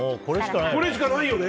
これしかないよね。